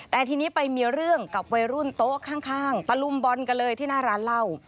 แต่ทีนี้ไปมีเรื่องกับวัยรุ่นโต๊ะข้างตะลุมบอลกันเลยที่หน้าร้านเหล้า